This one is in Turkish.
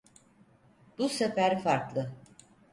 Bu sefer farklı.